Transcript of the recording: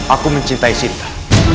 aku mencintai sinta